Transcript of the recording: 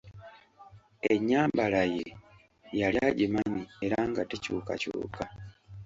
Ennyambala ye yali agimanyi era nga tekyukakyuka.